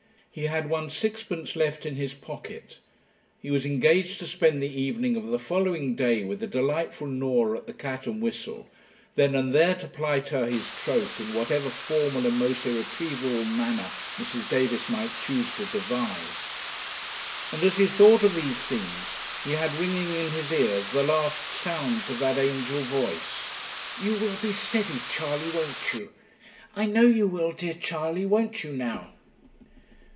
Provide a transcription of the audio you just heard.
He had one sixpence left in his pocket; he was engaged to spend the evening of the following day with the delightful Norah at the 'Cat and Whistle,' then and there to plight her his troth, in whatever formal and most irretrievable manner Mrs. Davis might choose to devise; and as he thought of these things he had ringing in his ears the last sounds of that angel voice, 'You will be steady, Charley, won't you? I know you will, dear Charley won't you now?'